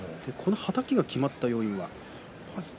はたきが決まった要因は。